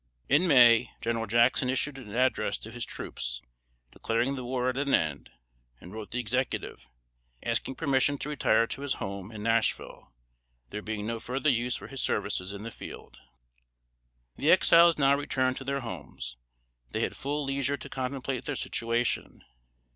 In May, General Jackson issued an Address to his troops, declaring the war at an end; and wrote the Executive, asking permission to retire to his home in Nashville, there being no further use for his services in the field. The Exiles now returned to their homes. They had full leisure to contemplate their situation.